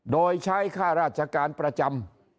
โดยใช้ค่าราชการประจำ